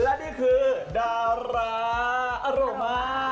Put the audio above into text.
และนี่คือดาราอรุมา